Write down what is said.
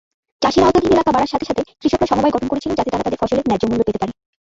চাষের আওতাধীন এলাকা বাড়ার সাথে সাথে, কৃষকরা সমবায় গঠন করেছিল যাতে তারা তাদের ফসলের ন্যায্য মূল্য পেতে পারে।